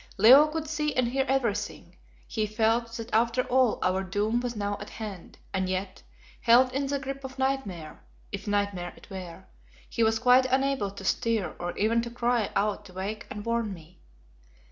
Leo could see and hear everything. He felt that after all our doom was now at hand, and yet, held in the grip of nightmare, if nightmare it were, he was quite unable to stir or even to cry out to wake and warn me.